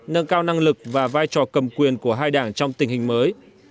nâng cao năng lực và vai trò cầm quyền của hai đảng trong tình hình mới